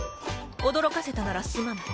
驚かせたならすまない。